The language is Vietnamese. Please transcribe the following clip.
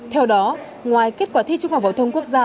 theo đó ngoài kết quả thi trung học phổ thông quốc gia